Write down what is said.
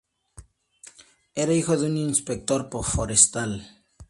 Era hijo de un inspector forestal.